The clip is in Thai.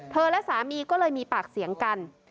และสามีก็เลยมีปากเสียงกัน